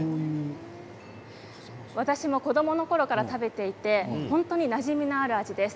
私も子どものころから食べていて本当になじみのある味です。